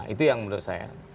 itu yang menurut saya